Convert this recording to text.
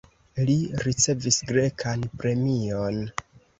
Li ricevis grekan premion.